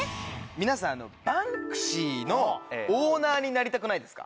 皆さんバンクシーのオーナーになりたくないですか？